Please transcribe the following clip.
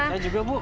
saya juga bu